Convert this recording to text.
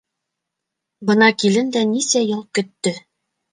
Бына килен дә нисә йыл көттө.